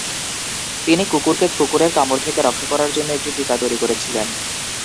তিনি কুকুরকে কুকুরের কামড় থেকে রক্ষা করার জন্য একটি টিকা তৈরি করেছিলেন।